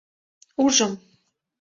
Ужым.